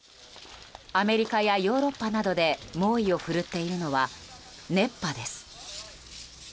アメリカやヨーロッパなどで猛威を振るっているのは熱波です。